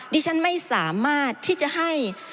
ดิฉันไม่สามารถที่จะให้